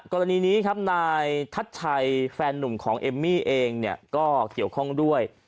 กรณีนี้ครับนายทัชชัยแฟนนุ่มของเอมมี่เองเนี่ยก็เกี่ยวข้องด้วย